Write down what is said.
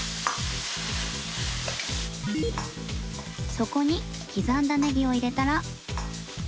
そこに刻んだネギを入れたら